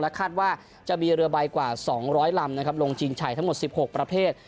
คาดว่าจะมีเรือใบกว่า๒๐๐ลำลงชิงชัยทั้งหมด๑๖ประเภท